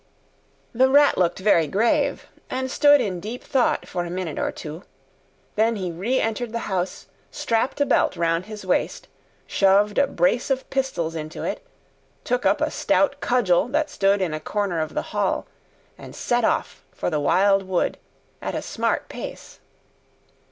The Rat looked very grave, and stood in deep thought for a minute or two. Then he re entered the house, strapped a belt round his waist, shoved a brace of pistols into it, took up a stout cudgel that stood in a corner of the hall, and set off for the Wild Wood at a smart pace.